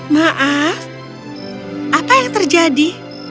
maaf apa yang terjadi